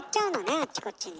あっちこっちに。